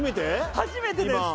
初めてです。